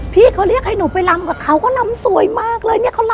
พี่เขาเรียกให้หนูไปลำกับเขาก็ลำสวยมากเลยเนี่ย